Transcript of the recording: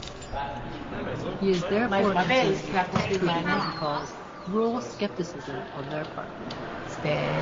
He is therefore concerned with disproving what he calls "rule scepticism" on their part.